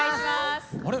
あれ？